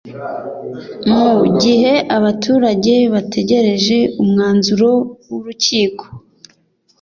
Mu gihe abaturage bategereje umwanzuro w’urukiko